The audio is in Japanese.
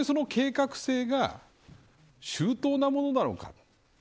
じゃあ本当にその計画性が周到なものなのか。